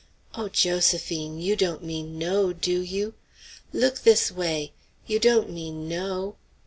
"O Josephine! you don't mean no, do you? Look this way! you don't mean no?"